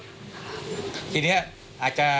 นี่ค่ะคุณผู้ชมพอเราคุยกับเพื่อนบ้านเสร็จแล้วนะน้า